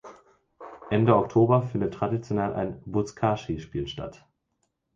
Ende Oktober findet traditionell ein "Buzkaschi"-Spiel statt.